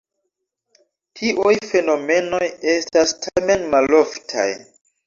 Tiuj fenomenoj estas tamen maloftaj.